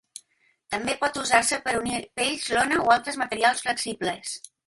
També pot usar-se per a unir pells, lona o altres materials flexibles.